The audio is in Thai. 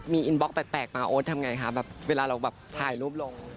มีอินบล็อกแปลกมาโอ๊ตทำอย่างไรครับเวลาเราถ่ายรูปลง